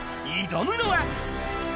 挑むのは。